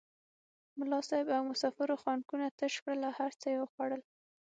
ملا صاحب او مسافرو خانکونه تش کړل هر څه یې وخوړل.